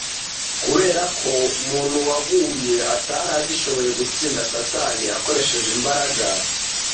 Kubera ko umuntu waguye atari agishoboye gutsinda Satani akoresheje imbaraga